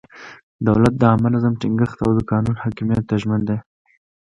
دولت د عامه نظم ټینګښت او د قانون حاکمیت ته ژمن دی.